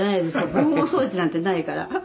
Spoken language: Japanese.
防音装置なんてないから。